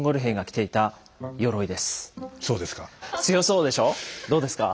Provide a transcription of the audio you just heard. そうですか。